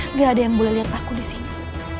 nggak ada yang boleh lihat aku disini